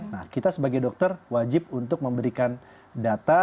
nah kita sebagai dokter wajib untuk memberikan data